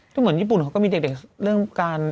ก็เหมือนญี่ปุ่นเขาก็มีเด็กเรื่องการ